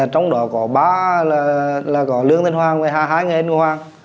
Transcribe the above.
trong đó có ba là có lương thân hoàng và hai người anh của hoàng